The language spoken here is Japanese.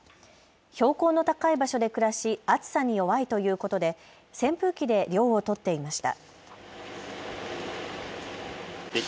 標高の高い場所で暮らし暑さに弱いということで扇風機で涼をとっていました。